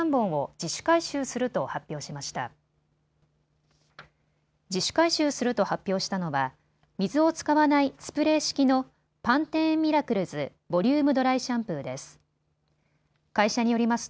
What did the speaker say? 自主回収すると発表したのは水を使わないスプレー式のパンテーンミラクルズボリュームドライシャンプーです。